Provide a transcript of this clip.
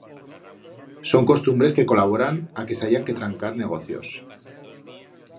Son costumbres que colaboran a que s'hayan que trancar negocios.